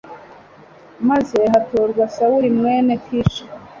maze hatorwa sawuli mwene kishi